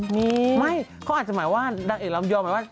มีไม่เขาอาจจะหมายว่านางเอกลำยองหมายว่า